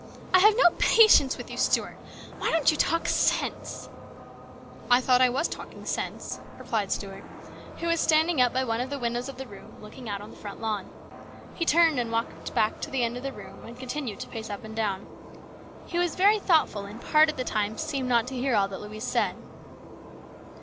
" I have no patience with you, Stuart. Why don't you talk sense ?"" I thought I was talking sense," replied Stuart, who was standing up by one of the windows of the room looking out on the front lawn. He turned and walked back to the end of the room and continued to pace up and down. He was very thoughtful, and part of the time seemed not to hear all that Louise said.